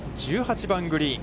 １８番グリーン。